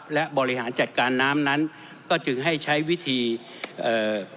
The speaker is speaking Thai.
และบริหารจัดการน้ำนั้นก็จึงให้ใช้วิธีเอ่อ